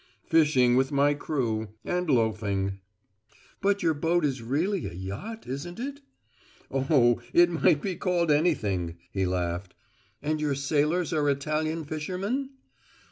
"Fishing with my crew and loafing." "But your boat is really a yacht, isn't it?" "Oh, it might be called anything," he laughed. "And your sailors are Italian fishermen?"